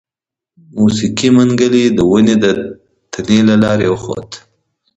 موسکی منګلی د ونې د تنې له لارې وخوت.